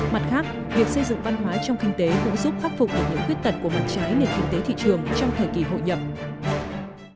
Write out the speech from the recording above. mặt khác việc xây dựng văn hóa trong kinh tế cũng giúp khắc phục ở những khuyết tật của mặt trái nền kinh tế thị trường trong thời kỳ hội nhập